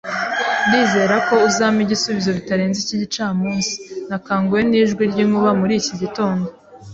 Ndizera ko uzampa igisubizo bitarenze iki gicamunsi. Nakanguwe nijwi ryinkuba muri iki gitondo.